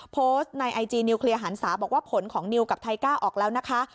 โพสต์ในไอจีนิวเคลียร์หันศาบอกว่าผลของนิวกับไทก้าออกแล้วนะคะ